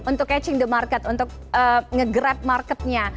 untuk catching the market untuk nge grab marketnya